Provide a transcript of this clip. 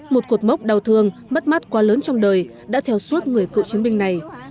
một cuộc mốc đau thương mất mắt quá lớn trong đời đã theo suốt người cựu chiến binh này